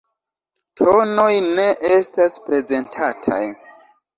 Tonoj ne estas prezentataj.